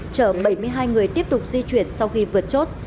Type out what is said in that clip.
chở bảy mươi hai người tiếp tục di chuyển sau khi vượt chốt